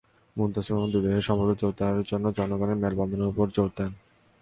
মুনতাসীর মামুন দুই দেশের সম্পর্ক জোরদারের জন্য জনগণের মেলবন্ধনের ওপর জোর দেন।